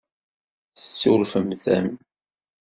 Ssurfent-am.